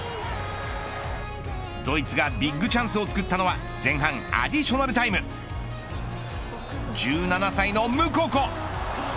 ドイツがビッグチャンスを作ったのは前半アディショナルタイム１７歳のムココ。